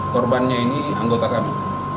korbannya ini anggota kami